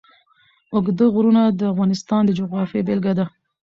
اوږده غرونه د افغانستان د جغرافیې بېلګه ده.